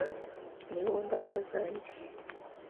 Ni wowe Mbaraga zanjye